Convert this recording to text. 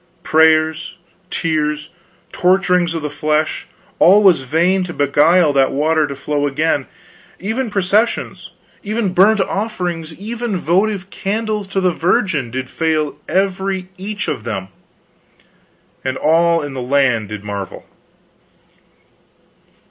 Prayers, tears, torturings of the flesh, all was vain to beguile that water to flow again. Even processions; even burnt offerings; even votive candles to the Virgin, did fail every each of them; and all in the land did marvel."